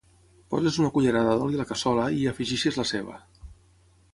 Poses una cullerada d'oli a la cassola i hi afegeixes la ceba.